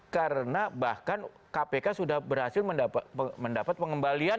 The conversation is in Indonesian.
karena bahkan kpk sudah berhasil mendapat pengembalian